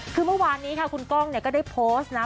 คือเมื่อวานนี้ค่ะคุณก้องเนี่ยก็ได้โพสต์นะ